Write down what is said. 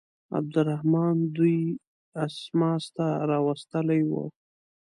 عبدالرحمن دوی اسماس ته راوستلي وه.